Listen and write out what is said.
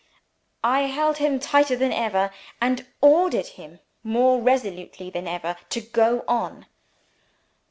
I held him tighter than ever, and ordered him more resolutely than ever to go on.